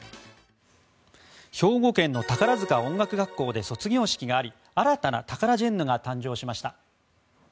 兵庫県の宝塚音楽学校で卒業式があり新たなタカラジェンヌが誕生しました。